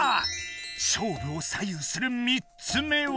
勝負を左右する３つ目は。